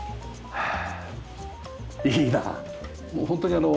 はあ。